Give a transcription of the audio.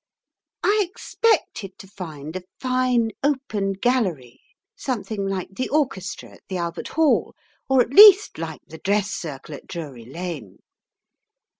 I expected to find a fine open gallery something like the orchestra at the Albert Hall, or at least like the dress circle at Drury Lane.